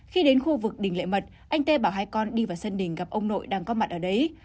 khi đến khu vực đình lệ mật anh tê bảo hai con đi vào sân đình gặp ông nội đang có mặt ở đấy